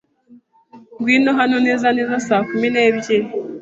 Ngwino hano neza neza saa kumi n'ebyiri.